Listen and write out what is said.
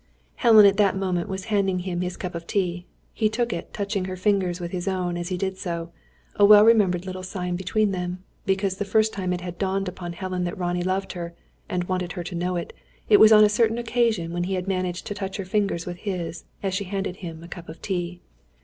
Helen at that moment was handing him his cup of tea. He took it, touching her fingers with his own as he did so; a well remembered little sign between them, because the first time it had dawned upon Helen that Ronnie loved her, and wanted her to know it, was on a certain occasion when he had managed to touch her fingers with his, as she handed him a cup of tea.